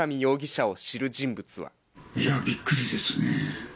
いや、びっくりですね。